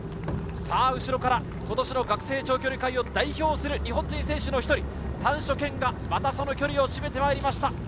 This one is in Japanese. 後ろから今年の学生長距離界を代表する日本人選手の１人、丹所健がまたその距離を縮めて参りました。